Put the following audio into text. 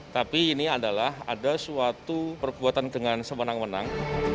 tapi ini adalah ada suatu perbuatan dengan semenang menang